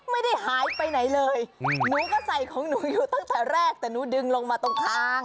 ไม่ได้หายไปไหนเลยหนูก็ใส่ของหนูอยู่ตั้งแต่แรกแต่หนูดึงลงมาตรงคาง